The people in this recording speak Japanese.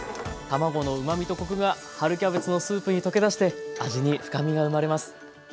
卵のうまみとコクが春キャベツのスープに溶け出して味に深みが生まれます。